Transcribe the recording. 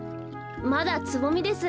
まだつぼみです。